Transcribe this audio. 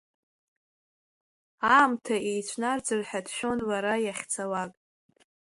Аамҭа еицәнарӡыр ҳәа дшәон лара иахьцалак.